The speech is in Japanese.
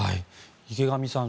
池上さん